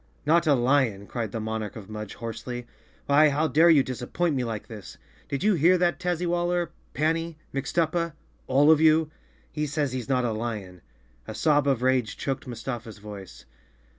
"Not a lion!" cried the Monarch of Mudge hoarsely. "Why, how dare you disappoint me like this? Did you hear that, Tazzywaller, Panny, Mixtuppa—all of you? He says he's not a lion." A sob of rage choked Mustafa's voice.